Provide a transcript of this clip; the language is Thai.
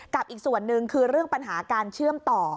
อีกส่วนหนึ่งคือเรื่องปัญหาการเชื่อมต่อ